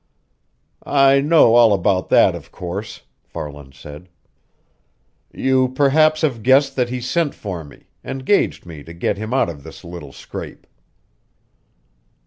"I know all about that, of course," Farland said. "You perhaps have guessed that he sent for me engaged me to get him out of this little scrape."